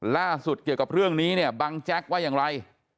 เกี่ยวกับเรื่องนี้เนี่ยบังแจ๊กว่าอย่างไร